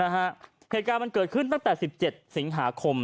เหตุการณ์มันเกิดขึ้นตั้งแต่๑๗สิงหาคม